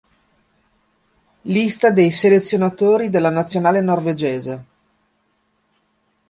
Lista dei selezionatori della nazionale norvegese.